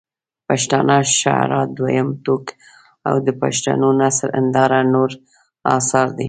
پښتانه شعراء دویم ټوک او د پښټو نثر هنداره نور اثار دي.